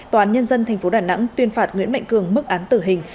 tòa án nhân dân tp đà nẵng tuyên phạt nguyễn mạnh cường mức án tử hình